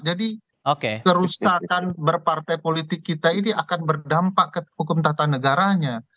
jadi kerusakan berpartai politik kita ini akan berdampak ke hukum tata negaranya